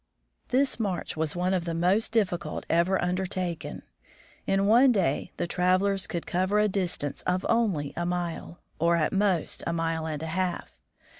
This march was one of the most difficult ever under taken. In one day the travelers could cover a distance of only a mile, or at most a mile and a half.